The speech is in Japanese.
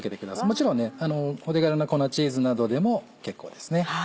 もちろん手軽な粉チーズなどでも結構ですね。